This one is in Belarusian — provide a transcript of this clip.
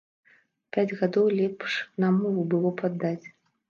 Пяць гадоў лепш на мову было б аддаць.